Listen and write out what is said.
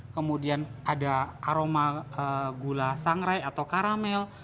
kemudian ada aroma gula sangrai atau karamel